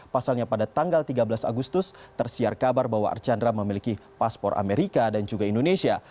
pasalnya pada tanggal tiga belas agustus tersiar kabar bahwa archandra memiliki paspor amerika dan juga indonesia